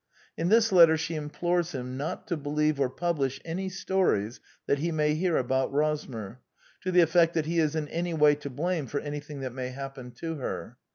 In this letter she implores him not to believe or publish any stories that he may hear about Rosmer, to the effect that he is in any way to blame for anything that may happen to her.